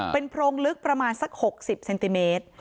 เป็นโพรงลึกประมาณสัก๖๐เซนติเมตร